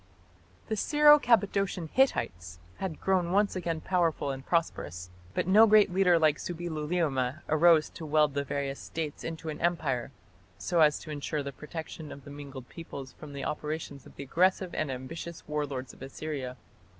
The Syro Cappadocian Hittites had grown once again powerful and prosperous, but no great leader like Subbiluliuma arose to weld the various States into an Empire, so as to ensure the protection of the mingled peoples from the operations of the aggressive and ambitious war lords of Assyria.